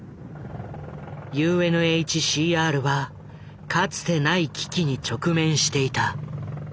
ＵＮＨＣＲはかつてない危機に直面していた。